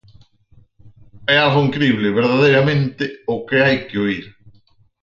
É algo incrible, verdadeiramente, o que hai que oír.